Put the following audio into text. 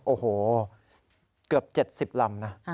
โอ้โหเกือบ๗๐ลำนะ